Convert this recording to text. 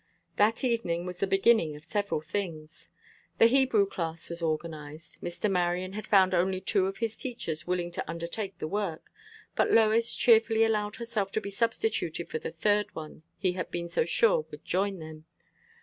That evening was the beginning of several things. The Hebrew class was organized. Mr. Marion had found only two of his teachers willing to undertake the work, but Lois cheerfully allowed herself to be substituted for the third one he had been so sure would join them.